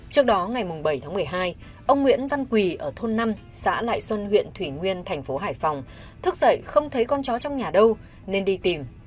trước đó ngày bảy tháng một mươi hai ông nguyễn văn quỳ ở thôn năm xã lại xuân huyện thủy nguyên thành phố hải phòng thức dậy không thấy con chó trong nhà đâu nên đi tìm